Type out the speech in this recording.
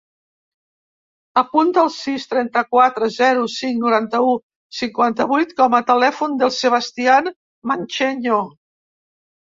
Apunta el sis, trenta-quatre, zero, cinc, noranta-u, cinquanta-vuit com a telèfon del Sebastian Mancheño.